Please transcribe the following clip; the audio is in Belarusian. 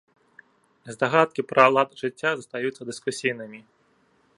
Здагадкі пра лад жыцця застаюцца дыскусійнымі.